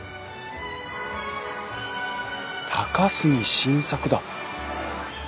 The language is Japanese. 高杉晋作だ！